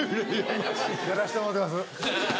やらせてもろうてます。